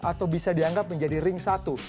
atau bisa dianggap menjadi ring satu